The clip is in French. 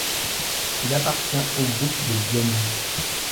Il appartient au groupe des diènes.